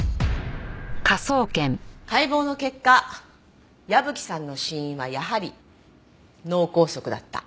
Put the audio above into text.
解剖の結果矢吹さんの死因はやはり脳梗塞だった。